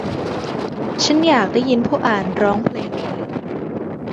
ฉันอยากได้ยินผู้อ่านร้องเพลงนี้